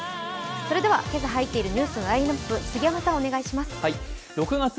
それでは今朝入っているニュースのラインナップお願いします。